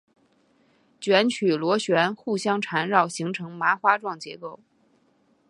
卷曲螺旋互相缠绕形成麻花状结构。